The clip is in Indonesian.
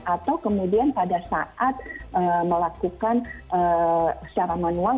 atau kemudian pada saat melakukan secara manual